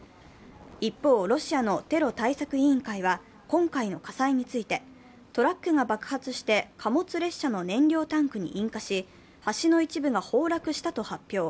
一方、ロシアのテロ対策委員会は今回の火災についてトラックが爆発して貨物列車の燃料タンクに引火し橋の一部が崩落したと発表。